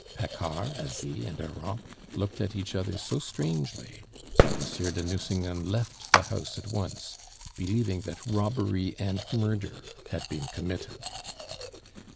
Paccard, Asie, and Europe looked at each other so strangely that Monsieur de Nucingen left the house at once, believing that robbery and murder had been committed.